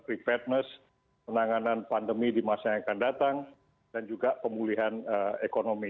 menangani covid yang lebih efektif peningkatan privateness penanganan pandemi di masa yang akan datang dan juga pemulihan ekonomi